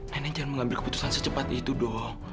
nenek jangan mengambil keputusan secepat itu dong